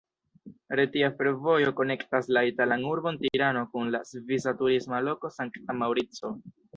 Retia fervojo konektas la italan urbon Tirano kun la svisa turisma loko Sankta Maŭrico.